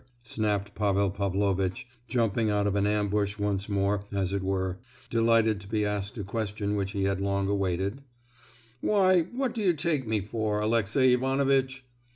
snapped Pavel Pavlovitch—jumping out of an ambush once more, as it were,—delighted to be asked a question which he had long awaited; "why, what do you take me for, Alexey Ivanovitch?"